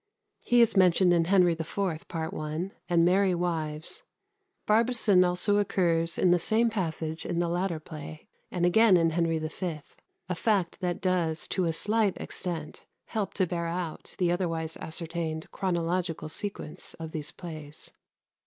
He is mentioned in "Henry IV. Part I.," and "Merry Wives." Barbazon also occurs in the same passage in the latter play, and again in "Henry V." a fact that does to a slight extent help to bear out the otherwise ascertained chronological sequence of these plays.